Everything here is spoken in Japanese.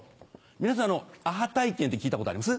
皆さんアハ体験って聞いたことあります？